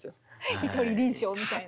ひとり輪唱みたいな。